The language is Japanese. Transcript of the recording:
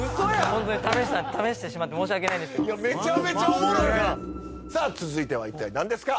ホントに試した試してしまって申し訳ないんですけどいやめちゃめちゃおもろいなすげえさあ続いては一体何ですか？